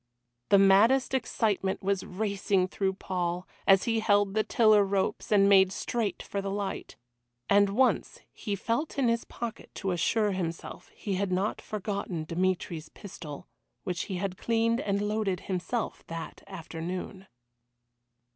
The maddest excitement was racing through Paul, as he held the tiller ropes and made straight for the light. And once he felt in his pocket to assure himself he had not forgotten Dmitry's pistol, which he had cleaned and loaded himself that afternoon.